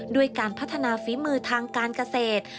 ด้วยการพัฒนาฝีมือทางการเกษตร